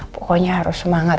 pokoknya harus semangat